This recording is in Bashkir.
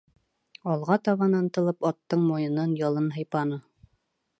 Алға табан ынтылып, аттың муйынын, ялын һыйпаны.